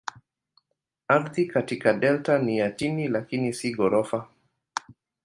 Ardhi katika delta ni ya chini lakini si ghorofa.